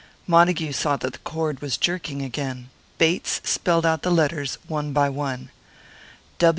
Montague saw that the cord was jerking again. Bates spelled out the letters one by one.